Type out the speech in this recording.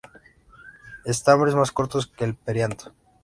Estambres más cortos que el perianto.